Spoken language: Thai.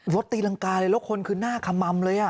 รถตีรังกายเลยละคนคือหน้าขมมเลยอะ